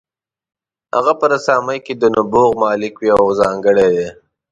هغه په رسامۍ کې د نبوغ مالک وي او ځانګړی دی.